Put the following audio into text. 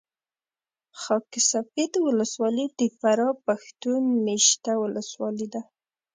خاک سفید ولسوالي د فراه پښتون مېشته ولسوالي ده